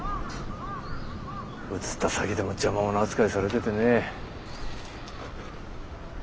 移った先でも邪魔者扱いされててねえ。